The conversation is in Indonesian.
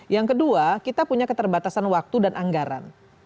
yang kedua kita punya keterbatasan waktu dan anggaran